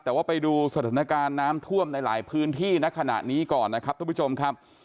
แต่ว่าไปดูสถานการณ์น้ำท่วมในหลายพื้นที่ณขณะนี้ก่อนนะครับทุกผู้ชมครับ